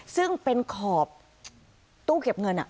ซึ่งเป็นขอบตู้เก็บเงิน